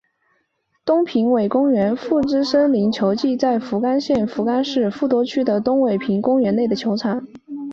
东平尾公园博多之森球技场在福冈县福冈市博多区的东平尾公园内的球场。